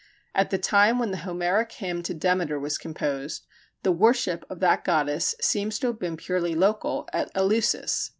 At the time when the Homeric hymn to Demeter was composed, the worship of that goddess seems to have been purely local at Eleusis.